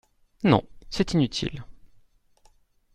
Non, c’est inutile.